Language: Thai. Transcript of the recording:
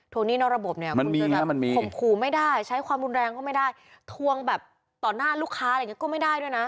หนี้นอกระบบเนี่ยข่มขู่ไม่ได้ใช้ความรุนแรงก็ไม่ได้ทวงแบบต่อหน้าลูกค้าอะไรอย่างนี้ก็ไม่ได้ด้วยนะ